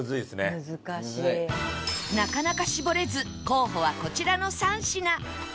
なかなか絞れず候補はこちらの３品